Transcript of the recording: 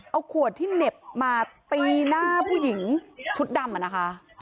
เอาขวดที่เหน็บมาตีหน้าผู้หญิงชุดดำอะนะคะ